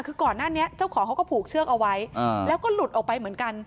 คือก่อนหน้านี้เจ้าของเขาก็ผูกเชือกเอาไว้แล้วก็หลุดออกไปเหมือนกัน